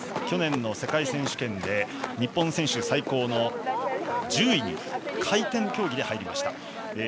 去年の世界選手権で日本選手最高の１０位に回転競技で入りました。